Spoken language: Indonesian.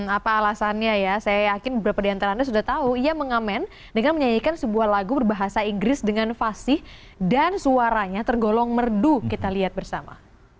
apa alasannya ya saya yakin beberapa di antara anda sudah tahu ia mengamen dengan menyanyikan sebuah lagu berbahasa inggris dengan fasih dan suaranya tergolong merdu kita lihat bersama